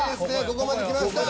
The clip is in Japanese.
ここまできました。